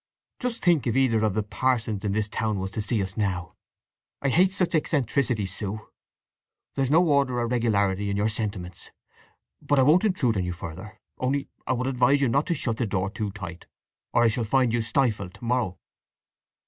"Just think if either of the parsons in this town was to see us now! I hate such eccentricities, Sue. There's no order or regularity in your sentiments! … But I won't intrude on you further; only I would advise you not to shut the door too tight, or I shall find you stifled to morrow."